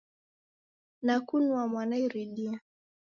Nakunua mwana iridia.